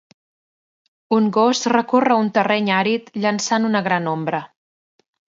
Un gos recorre un terreny àrid llançant una gran ombra